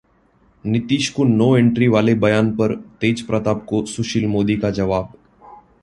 नीतीश को 'no entry' वाले बयान पर तेजप्रताप को सुशील मोदी का जवाब